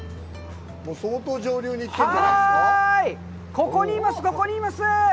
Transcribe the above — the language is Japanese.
ここにいます、ここにいます！